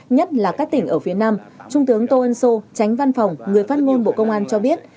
nhất là các tỉnh ở phía nam trung tướng tô ân sô tránh văn phòng người phát ngôn bộ công an cho biết